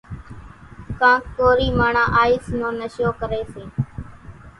ڪانڪ ڪورِي ماڻۿان آئيس نو نشو ڪريَ سي۔